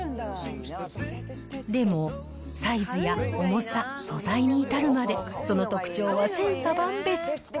でも、サイズや重さ、素材に至るまで、その特徴は千差万別。